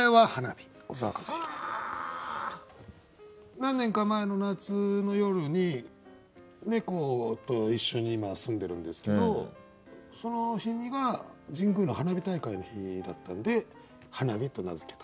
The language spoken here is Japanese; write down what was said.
何年か前の夏の夜に猫と一緒に今住んでるんですけどその日が神宮の花火大会の日だったんで「はなび」と名付けたと。